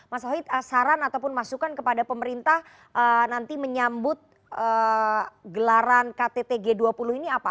mas wahid saran ataupun masukan kepada pemerintah nanti menyambut gelaran ktt g dua puluh ini apa